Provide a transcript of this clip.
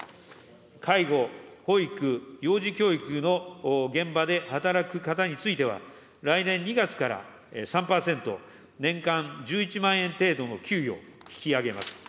介護、保育、幼児教育の現場で働く方については、来年２月から３％、年間１１万円程度の給与を引き上げます。